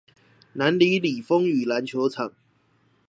南里里風雨籃球場